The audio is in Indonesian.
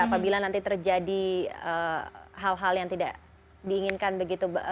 apabila nanti terjadi hal hal yang tidak diinginkan begitu